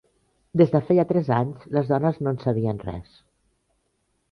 Des de feia tres anys, les dones no en sabien res.